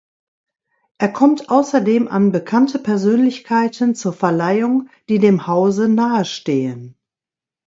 Er kommt außerdem an bekannte Persönlichkeiten zur Verleihung, die dem Hause nahestehen.